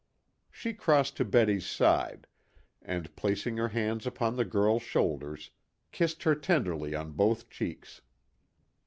She crossed to Betty's side, and, placing her hands upon the girl's shoulders, kissed her tenderly on both cheeks.